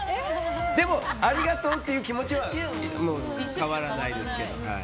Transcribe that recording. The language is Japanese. でもありがとうっていう気持ちはもう変わらないですけど。